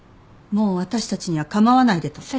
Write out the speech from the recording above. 「もう私たちには構わないで」と。